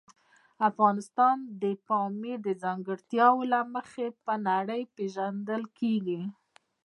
افغانستان د پامیر د ځانګړتیاوو له مخې په نړۍ پېژندل کېږي.